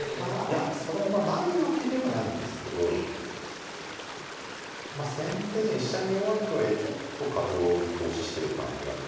いやそれもないわけではないんですけど先手陣飛車に弱いとはいえちょっと過剰に投資してる感じがありますよね。